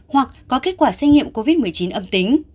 hoặc có kết quả xét nghiệm covid một mươi chín âm tính